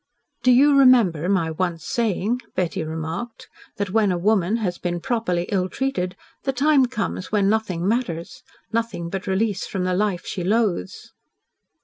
"Do you remember my once saying," Betty remarked, "that when a woman has been PROPERLY ill treated the time comes when nothing matters nothing but release from the life she loathes?"